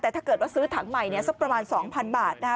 แต่ถ้าเกิดว่าซื้อถังใหม่เนี่ยสักประมาณ๒๐๐๐บาทนะฮะ